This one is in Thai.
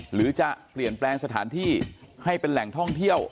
หรือจะเปลี่ยนแปลงสถานที่ให้เป็นแหล่งท่องเที่ยว